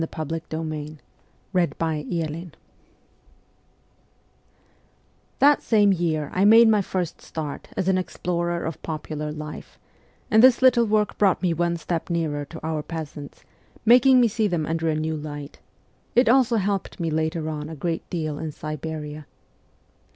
THE CORPS OF PAGES 119 IV THAT same year I made my first start as an explorer of popular life, and this little work brought me one step nearer to our peasants, making me see them under a new light ; it also helped me later on a great deal in Siberia.